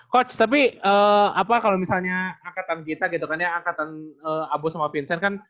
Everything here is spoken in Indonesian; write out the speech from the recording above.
coach tapi apa kalau misalnya angkatan kita gitu kan ya angkatan abu sama vincent kan